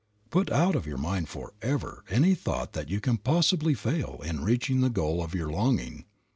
Put out of your mind forever any thought that you can possibly fail in reaching the goal of your longing.